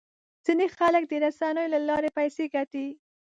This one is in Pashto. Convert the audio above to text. ځینې خلک د رسنیو له لارې پیسې ګټي.